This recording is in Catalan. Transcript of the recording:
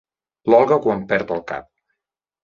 L'Olga quan perd el cap.